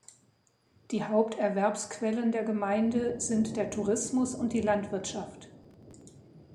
Die Haupterwerbsquellen der Gemeinde sind der Tourismus und die Landwirtschaft.